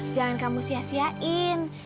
jangan kamu sia siain